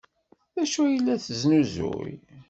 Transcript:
D acu ay la tesnuzuy?